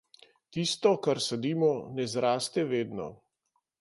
Tisto, kar sadimo, ne zraste vedno.